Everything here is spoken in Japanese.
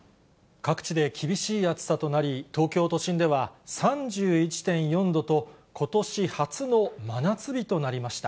各地で厳しい暑さとなり、東京都心では３１．４度と、ことし初の真夏日となりました。